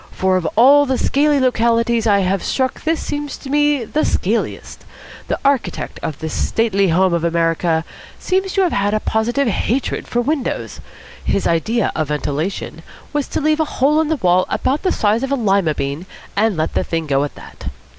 For of all the scaly localities I have struck this seems to me the scaliest. The architect of this Stately Home of America seems to have had a positive hatred for windows. His idea of ventilation was to leave a hole in the wall about the size of a lima bean and let the thing go at that.